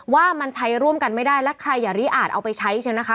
ว่ามันใช้ร่วมกันไม่ได้และใครอย่ารีอาจเอาไปใช้ใช่ไหมคะ